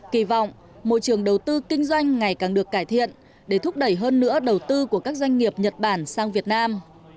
kỳ vọng môi trường đầu tư kinh doanh ngày càng được cải thiện để thúc đẩy hơn nữa đầu tư của các doanh nghiệp nhật bản sang việt nam